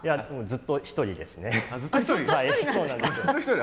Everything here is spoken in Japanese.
ずっと１人なんですか。